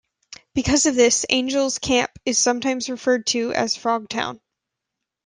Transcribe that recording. Because of this, Angels Camp is sometimes referred to as Frogtown.